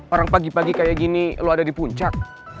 orang pagi pagi kayak gini lo ada di puncak